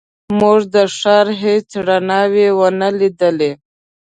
موږ د ښار هېڅ رڼاوې ونه لیدلې.